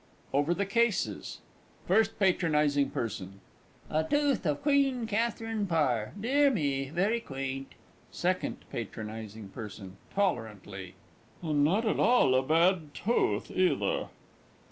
OVER THE CASES. FIRST PATRONISING P. "A Tooth of Queen Katherine Parr." Dear me! very quaint. SECOND P. P. (tolerantly). And not at all a bad tooth, either.